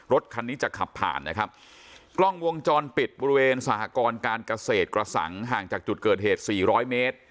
รถคันนี้จะขับผ่านนะครับกล้องวงจรปิดบริเวณสหกรการเกษตรกระสังห่างจากจุดเกิดเหตุสี่ร้อยเมตร